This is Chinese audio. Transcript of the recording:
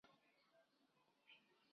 唐龙早年受业于同县章懋。